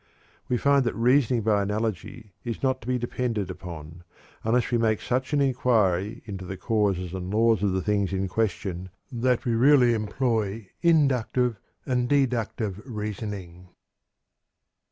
We find that reasoning by analogy is not to be depended upon, unless we make such an inquiry into the causes and laws of the things in question that we really employ inductive and deductive reasoning."